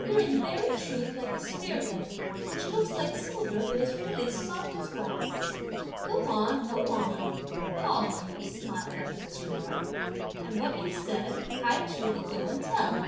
you're, in very truth, like a spear head, (which looks) like silver, (but is really soft as) wax!" "Go on, go on!" Pao yü smiled after this remark; "and what you've said, I too will go and tell!"